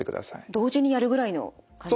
同時にやるぐらいの感じですね。